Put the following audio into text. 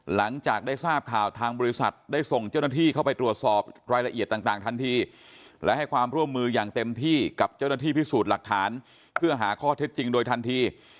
หลังจากได้ทราบข่าวทางบริษัทได้ส่งเจ้าหน้าที่เข้าไปตรวจสอบรายละเอียดต่างทันทีและให้ความร่วมมืออย่างเต็มที่กับเจ้าหน้าที่พิสูจน์หลักฐานเพื่อหาข้อเท็จจริงโดยทันที